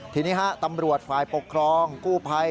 ทีนี้ตำรวจไฟปกครองคู่ภัย